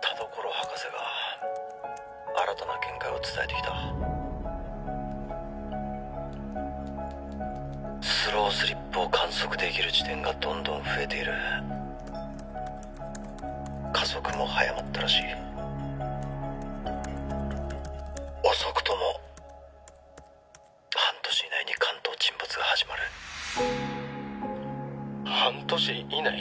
田所博士が新たな見解を伝えてきたスロースリップを観測できる地点がどんどん増えている加速も早まったらしい遅くとも半年以内に関東沈没が始まる半年以内？